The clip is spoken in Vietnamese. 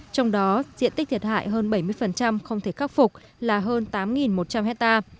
trong đó diện tích thiệt hại hơn bảy mươi không thể khắc phục là hơn tám một trăm linh hectare